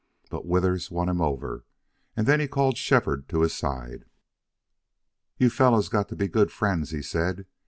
But Withers won him over, and then he called Shefford to his side. "You fellows got to be good friends," he said.